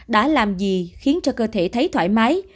đã làm gì khiến cho cơ thể thấy thoải mái